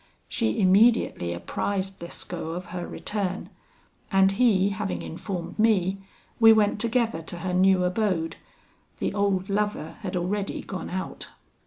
She immediately apprised Lescaut of her return, and he having informed me, we went together to her new abode. The old lover had already gone out.